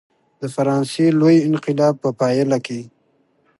د فرانسې لوی انقلاب په پایله کې.